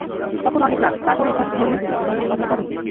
তখন অনেক রাত, তারপরও ফোন ধরলেন তিনি দুবার রিং বাজার পরেই।